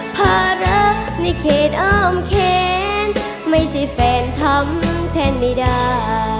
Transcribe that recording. ภาระในเขตอ้อมแขนไม่ใช่แฟนทำแทนไม่ได้